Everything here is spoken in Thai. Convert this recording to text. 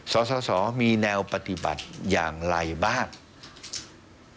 สสมีแนวปฏิบัติอย่างไรบ้าง